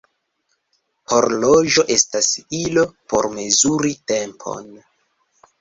Horloĝo estas ilo por mezuri tempon.